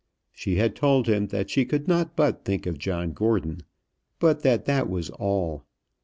She had told him that she could not but think of John Gordon, but that that was all.